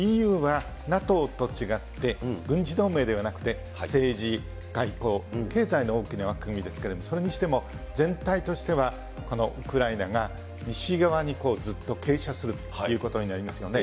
ＥＵはＮＡＴＯと違って、軍事同盟ではなくて、政治、外交、経済の大きな枠組みですけれども、それにしても、全体としては、このウクライナが西側にずっと傾斜するということになりますよね。